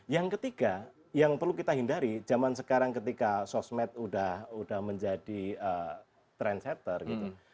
yang ketiga yang perlu kita hindari zaman sekarang ketika sosmed udah menjadi trendsetter gitu